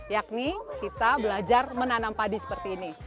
yakni kita belajar menanam padi seperti ini